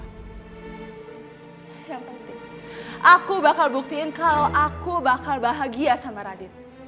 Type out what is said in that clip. yang penting aku bakal buktiin kalau aku bakal bahagia sama radit